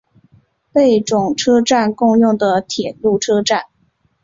贝冢车站共用的铁路车站。